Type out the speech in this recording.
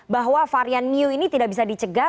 bahwa varian new ini tidak bisa dicegah